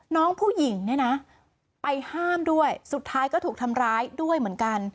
น้องผู้หญิงเนี่ยนะไปห้ามด้วยสุดท้ายก็ถูกทำร้ายด้วยเหมือนกัน